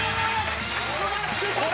スマッシュ炸裂！